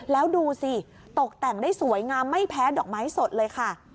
แล้วดูสิตกแต่งได้สวยงามไม่แพ้ดอกไม้สดเลยค่ะ